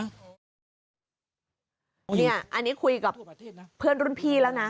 อันนี้คุยกับเพื่อนรุ่นพี่แล้วนะ